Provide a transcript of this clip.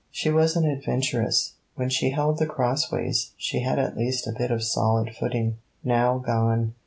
She was an adventuress. When she held The Crossways she had at least a bit of solid footing: now gone.